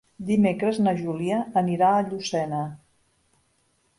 Dimecres na Júlia anirà a Llucena.